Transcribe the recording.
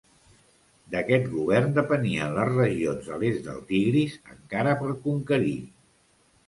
D'aquest govern depenien les regions a l'est del Tigris encara per conquerir.